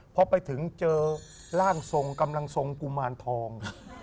พอไปถึงเจอร่างทรงกำลังทรงกุมารทอง